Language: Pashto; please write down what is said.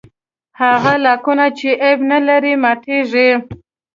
هغه لاکونه چې عیب نه لري ماتېږي.